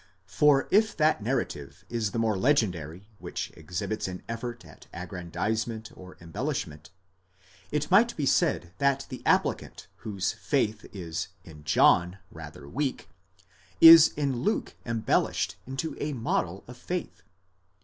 For if that narrative is the more legendary, which exhibits an effort at aggrandizement or embel lishment, it might be said that the applicant whose faith is in John rather weak, is in Luke embellished into a model of faith.